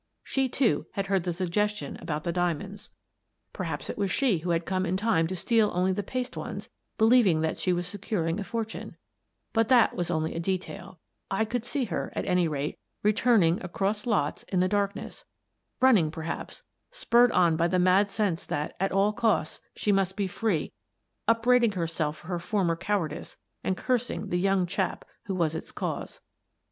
She, too, had heard the suggestion about the diamonds. Perhaps it 1 88 Miss Frances Baird, Detective BSBBSBE == I I was she who had come in time to steal only the paste ones, believing that she was securing a fortune. But that was only a detail. I could see her, at any rate, returning, across lots, in the darkness — run ning, perhaps — spurred on by the mad sense that, at all costs, she must be free, upbraiding herself for her former cowardice and cursing the young chap who was its cause.